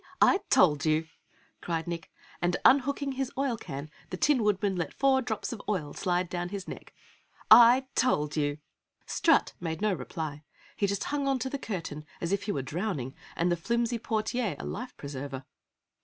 I told you!" cried Nick, and unhooking his oil can the Tin Woodman let four drops of oil slide down his neck. "I told you!" Strut made no reply. He just hung on to the curtain as if he were drowning and the flimsy portiere, a life preserver.